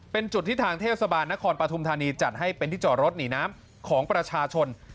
เป็นจุดที่ทางเทศบาลนครปฐุมธานีจัดให้เป็นที่จอดรถหนีน้ำของประชาชน